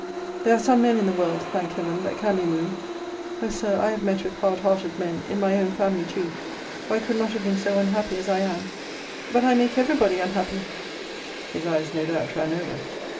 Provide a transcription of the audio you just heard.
] There are some men in the world, thank Heaven, that can be moved. O Sir, I have met with hard hearted men in my own family too or I could not have been so unhappy as I am but I make every body unhappy! His eyes no doubt ran over.